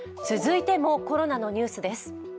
続いてもコロナのニュースです。